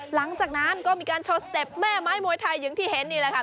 หลังจากนั้นก็มีการโชว์สเต็ปแม่ไม้มวยไทยอย่างที่เห็นนี่แหละค่ะ